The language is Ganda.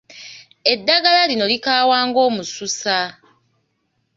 Eddagala lino likaawa ng'omususa.